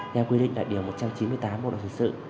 theo quy định đại điểm một trăm chín mươi tám bộ đồng sự sự